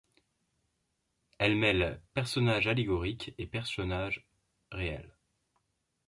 Elle mêle personnages allégoriques et personnages réels.